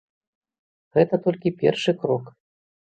Гэта толькі першы крок.